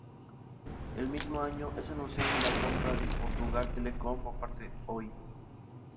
El mismo año, es anunciado la compra de Portugal Telecom por parte de Oi.